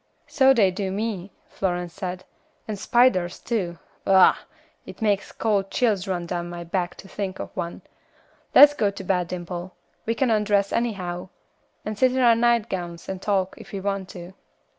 "So they do me," Florence said, "and spiders too. Ugh! it makes cold chills run down my back to think of one; let's go to bed, Dimple. We can undress anyhow, and sit in our nightgowns and talk, if we want to."